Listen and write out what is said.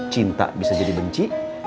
cinta bisa jadi benci